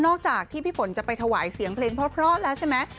จากที่พี่ฝนจะไปถวายเสียงเพลงเพราะแล้วใช่ไหม